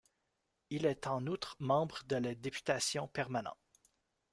Il est en outre membre de la députation permanente.